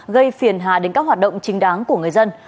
gây phiền hà đến các hoạt động chính đáng của người dân